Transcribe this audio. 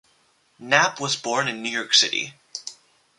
Knapp was born in New York City.